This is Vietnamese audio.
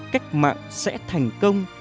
cách mạng sẽ thành công